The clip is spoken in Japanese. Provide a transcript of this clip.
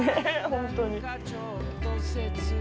本当に。